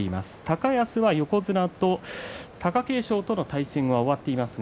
高安は横綱と貴景勝との対戦終わっています。